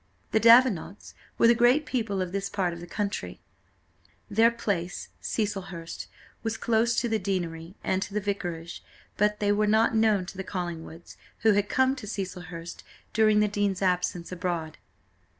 The Davenants were the great people of this part of the country; their place, Cecilhurst, was close to the deanery and to the vicarage, but they were not known to the Collingwoods, who had come to Cecilhurst during the dean's absence abroad.